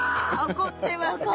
怒ってますね。